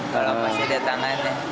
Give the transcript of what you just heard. kalau masih ada tangan ya